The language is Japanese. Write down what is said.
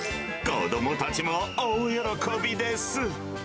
子どもたちも大喜びです。